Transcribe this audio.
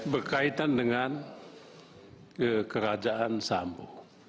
berkaitan dengan kerajaan sambu